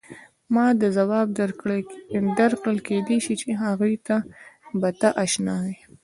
او ما ځواب درکړ کېدای شي هغې ته به ته اشنا وې.